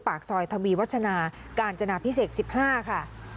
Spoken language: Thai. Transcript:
ปากซอยทวีวัชนาการจนาพิเศษ๑๕ค่ะ